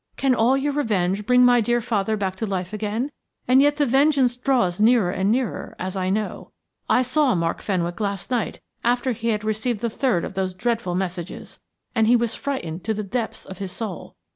Can all your revenge bring my dear father back to life again? And yet the vengeance draws nearer and nearer, as I know. I saw Mark Fenwick last night after he had received the third of those dreadful messages, and he was frightened to the depths of his soul.